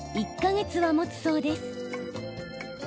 １か月は、もつそうです。